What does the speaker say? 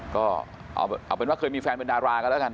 ก็เอาเป็นว่าเคยมีแฟนเป็นดารากันแล้วกัน